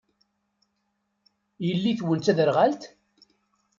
Yelli-twen d taderɣalt?